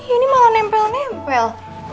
ini malah nempel nempel